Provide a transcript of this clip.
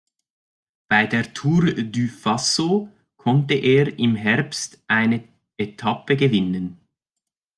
Bei der Tour du Faso konnte er im Herbst eine Etappe gewinnen.